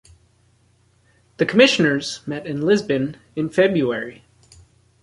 The Commissioners met in Lisbon in February.